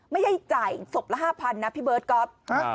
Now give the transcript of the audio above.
ไม่ได้จ่ายสบละ๕๐๐๐บาทพี่เบิร์ดก๊อฟ